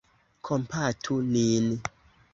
Kompatu nin!